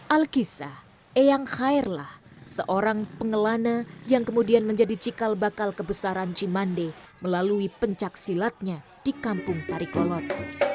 alkisa eyangkhairlah seorang pengelana yang kemudian menjadi cikal bakal kebesaran cimande melalui pencak silatnya di kampung tarikolot